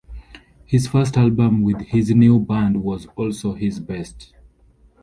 His first album with his new band was also his best.